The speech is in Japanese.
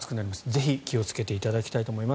ぜひ気をつけていただきたいと思います。